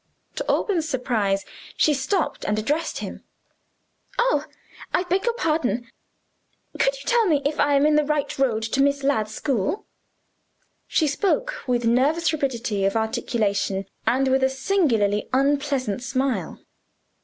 To Alban's surprise she stopped and addressed him. "Oh, I beg your pardon. Could you tell me if I am in the right road to Miss Ladd's school?" She spoke with nervous rapidity of articulation, and with a singularly unpleasant smile.